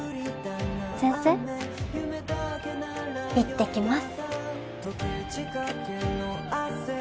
先生いってきます。